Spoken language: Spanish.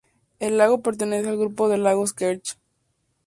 El lago pertenece al grupo de lagos Kerch.